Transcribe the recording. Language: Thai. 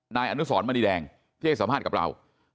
นายอนุสรมณีแดงที่ให้สัมภาษณ์กับเรา